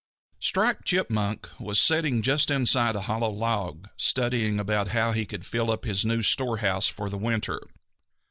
_ Striped Chipmunk was sitting just inside a hollow log, studying about how he could fill up his new storehouse for the winter.